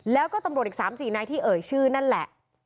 แล้วก็ตำรวจอีก๓๔นายที่เอ่ยชื่อนั่นแหละ